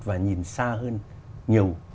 và nhìn xa hơn nhiều